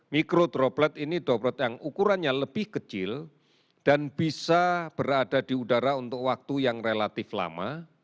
mikro droplet ini droplet yang ukurannya lebih kecil dan bisa berada di udara untuk waktu yang relatif lama